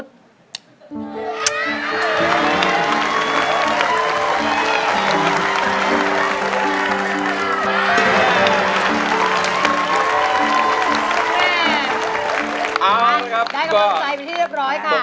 ได้กำลังใส่ไปที่เรียบร้อยค่ะ